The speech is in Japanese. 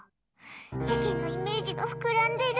世間のイメージが膨らんでいる。